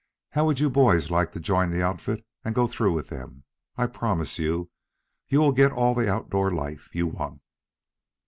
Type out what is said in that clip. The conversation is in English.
How would you boys like to join the outfit and go through with them? I promise you you will get all the outdoor life you want."